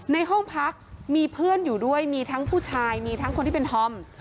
ในห้องพักมีเพื่อนอยู่ด้วยมีทั้งผู้ชายมีทั้งคนที่เป็นธอม